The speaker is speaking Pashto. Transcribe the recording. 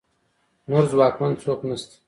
نور ځواکمن څوک نشته